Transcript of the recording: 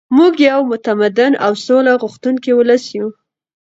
موږ یو متمدن او سوله غوښتونکی ولس یو.